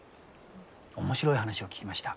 面白い話を聞きました。